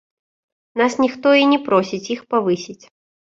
Нас ніхто і не просіць іх павысіць.